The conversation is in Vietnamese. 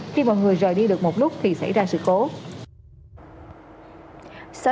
khi mọi người rời đi được một lúc thì xảy ra sự cố